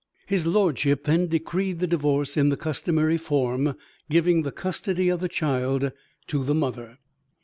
His lordship then decreed the Divorce in the customary form, giving the custody of the child to the mother.